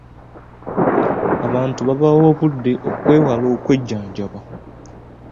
Abantu babawabudde okwewale okwejjanjaba.